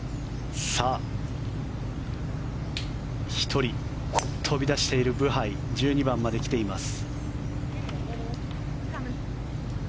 １人、飛び出しているブハイ１２番まで来ています。